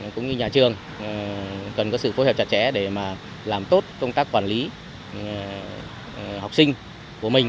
cũng như nhà trường cần có sự phối hợp chặt chẽ để làm tốt công tác quản lý học sinh của mình